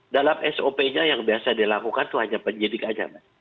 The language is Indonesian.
dalam sop nya yang biasa dilakukan itu hanya penyidik saja mas